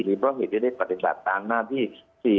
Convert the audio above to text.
หรือประหิตที่ได้ปฏิบัติตามหน้าที่